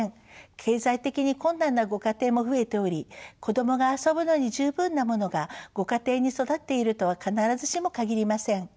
経済的に困難なご家庭も増えており子どもが遊ぶのに十分なものがご家庭に備わっているとは必ずしも限りません。